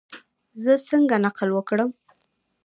زه څنګه نقل وکړم؟